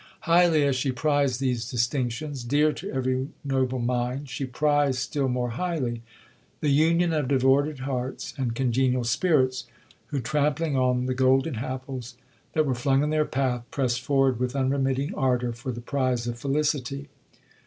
'Highly as she prized these distinctions, dear to every noble mind, she prized still more highly the union of devoted hearts and congenial spirits, who, trampling on the golden apples that were flung in their path, pressed forward with unremitting ardour for the prize of felicity.